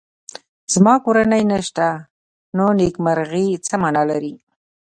زما کورنۍ نشته نو نېکمرغي څه مانا لري